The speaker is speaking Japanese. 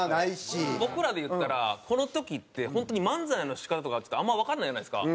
僕らで言ったらこの時って本当に漫才の仕方とかあんまりわかんないじゃないですか。